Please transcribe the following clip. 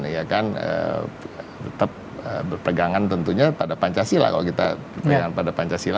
ya kan tetap berpegangan tentunya pada pancasila kalau kita berpegangan pada pancasila